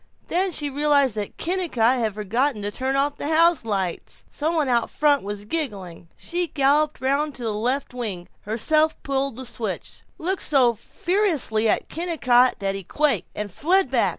Then she realized that Kennicott had forgotten to turn off the houselights. Some one out front was giggling. She galloped round to the left wing, herself pulled the switch, looked so ferociously at Kennicott that he quaked, and fled back.